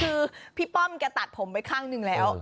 คือพี่ป้อมแกตัดผมไปข้างหนึ่งแล้ว